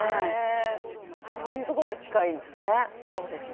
そういうところが近いんですね。